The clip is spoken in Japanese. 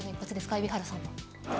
海老原さん。